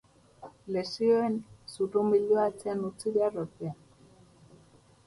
Lesioen zurrunbiloa atzean utzi behar ordea.